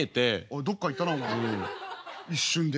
どっか行ったなお前一瞬で。